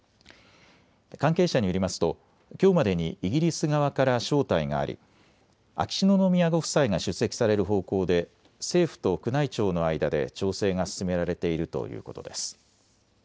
関係者によりますときょうまでにイギリス側から招待があり秋篠宮ご夫妻が出席される方向で政府と宮内庁の間で調整が進められているということです。